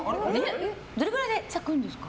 どれくらいで咲くんですか？